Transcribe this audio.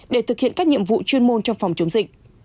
để thực hiện các nhiệm vụ chuyên môn trong phòng chống dịch